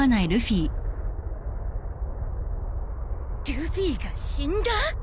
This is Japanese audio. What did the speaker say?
ルフィが死んだ？